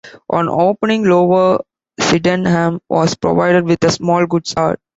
On opening Lower Sydenham was provided with a small goods yard.